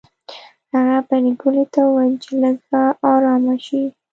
هغه پريګلې ته وویل چې لږه ارامه شي